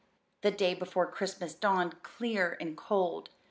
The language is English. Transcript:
The day before Christmas dawned clear and cold.